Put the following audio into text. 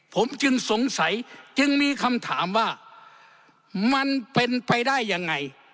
ผมจึงสงสัยจึงมีคำถามว่ามันเป็นไปได้ยังไง